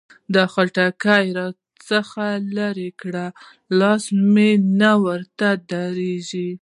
دا خټکي را څخه لري کړه؛ لاس مې نه ورته درېږي.